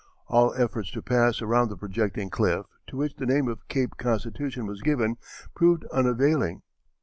All efforts to pass around the projecting cliff, to which the name of Cape Constitution was given, proved unavailing.